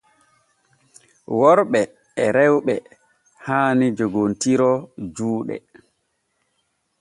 Worɓe e rewɓe haani joggontiro juuɗe.